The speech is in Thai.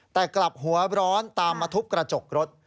แต่กลับหัวร้อนตามมาทุบกระจกรถ